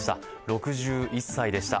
６１歳でした。